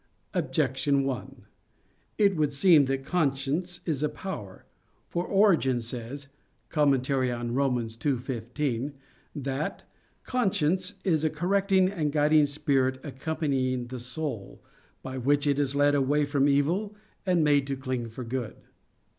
Objection 1: It would seem that conscience is a power; for Origen says [*Commentary on Rom. 2:15] that "conscience is a correcting and guiding spirit accompanying the soul, by which it is led away from evil and made to cling to good."